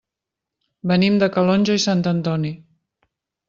Venim de Calonge i Sant Antoni.